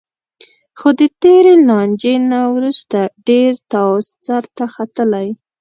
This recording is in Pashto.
خو د تېرې لانجې نه وروسته ډېر تاو سرته ختلی